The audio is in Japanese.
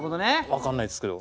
分からないですけど。